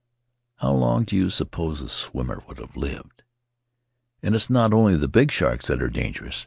Kow long do you suppose a swimmer would have lived? And it's not only the big sharks that are dangerous.